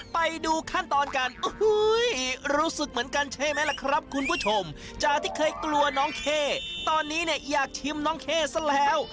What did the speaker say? ไปดูขั้นตอนกันรู้สึกเหมือนกันใช่ไหมล่ะครับคุณผู้ชมจากที่เคยกลัวน้องเข้ตอนนี้เนี่ยอยากชิมน้องเข้ซะแล้ว